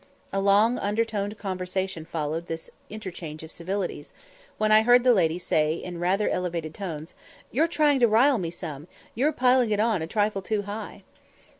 A long undertoned conversation followed this interchange of civilities, when I heard the lady say in rather elevated tones, "You're trying to rile me some; you're piling it on a trifle too high."